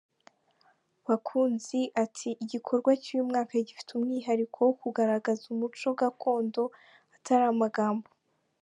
Bakunzi ati “Igikorwa cy’uyu mwaka gifite umwihariko wo kugaragaza umuco gakondo atari amagambo.